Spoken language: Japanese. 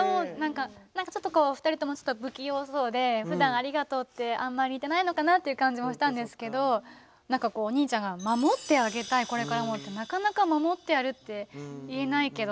何かちょっとこう２人ともちょっと不器用そうでふだん「ありがとう」ってあんまり言えてないのかなっていう感じもしたんですけど何かお兄ちゃんが「守ってあげたいこれからも」ってなかなか「守ってやる」って言えないけど